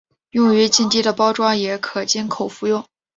用于静滴的包装也可经口服用。